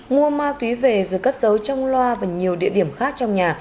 nguồn ma túy về rồi cất dấu trong loa và nhiều địa điểm khác trong nhà